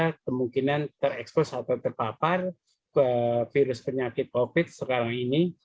karena kemungkinan terekspos atau terpapar virus penyakit covid sembilan belas sekarang ini